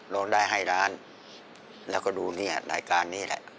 ร้องได้ให้ล้านแล้วก็ดูเนี่ยรายการนี้แหละ